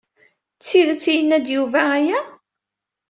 D tidet yenna-d Yuba aya?